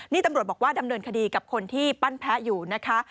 นี่ตำรวจบอกว่าดำเนินคดีกับคนที่ปั้นแพ้อยู่นะคะ